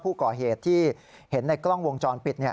ผู้ก่อเหตุที่เห็นในกล้องวงจรปิด